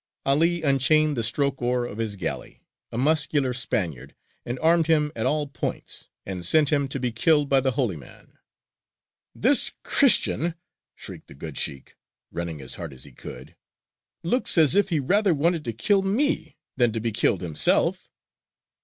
'Ali unchained the stroke oar of his galley, a muscular Spaniard, and armed him at all points, and sent him to be killed by the holy man. "This Christian," shrieked the good sheykh, running as hard as he could, "looks as if he rather wanted to kill me than to be killed himself."